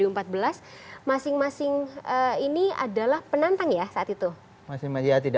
masing masing ini adalah penantang ya saat itu